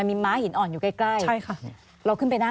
มีม้าหินอ่อนอยู่ใกล้